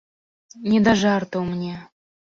Не да жартаў мне.